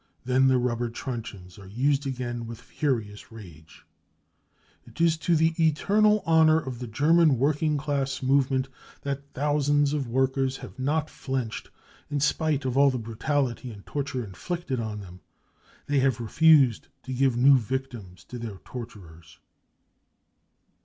Then the rubber truncheons are used again with furious rage. It is to the eternal honour of the German working class j movement that thousands of workers have not flinched in j spite of all the brutality and torture inflicted on them ; I they have^refused to give new victims to their torturers.